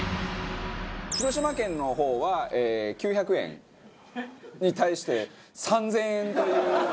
広島県の方は９００円に対して３０００円という。